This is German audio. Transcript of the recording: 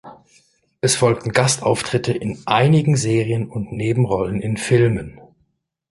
Es folgten Gastauftritte in einigen Serien und Nebenrollen in Filmen.